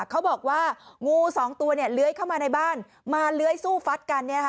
เขาบอกว่างูสองตัวเลื้อยเข้ามาในบ้านมาเลื้อยสู้ฟัดกัน